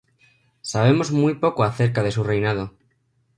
Sabemos muy poco acerca de su reinado.